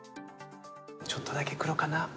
ちょっとだけ黒かな。